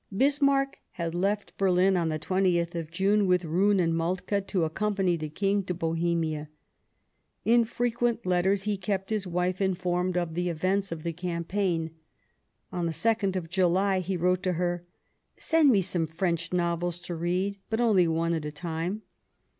Bismarck had left Berlin on the 20th of June, with Roon and Moltke, to accompany the King to Bohemia. In frequent letters he kept his wife informed of the events of the campaign ; on the 2nd of July he wrote to her :" Send me some French novels to read, but only one at a time."